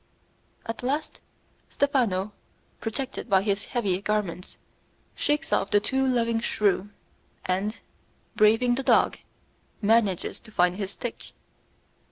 At last Stephano, protected by his heavy garments, shakes off the too loving shrew, and, braving the dog, manages to find his stick.